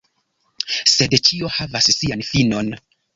Sed ĉio havas sian finon.